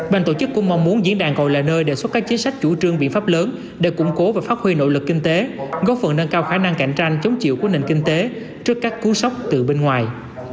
bàn tổ chức cũng mong muốn diễn đàn còn là nơi đề xuất các chính sách chủ trương biện pháp lớn để củng cố và phát huy nội lực kinh tế góp phần nâng cao khả năng cạnh tranh chống chịu của nền kinh tế trước các cú sốc từ bên ngoài